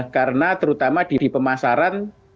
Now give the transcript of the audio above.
karena terutama di pemasaran